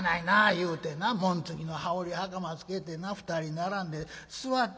言うてな紋付きの羽織袴つけてな２人並んで座ってたんやがな。